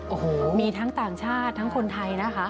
โอ้โหมีทั้งต่างชาติทั้งคนไทยนะคะ